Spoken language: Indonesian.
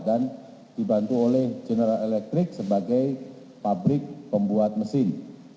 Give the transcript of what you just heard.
dan dibantu oleh general electric sebagai pabrik pembuat mesin